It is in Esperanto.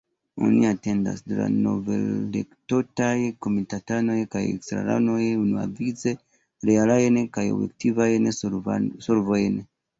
Oni atendas de la novelektotaj komitatanoj kaj estraranoj unuavice realajn kaj objektivajn solvojn.